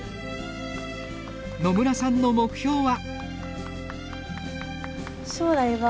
野村さんの目標は。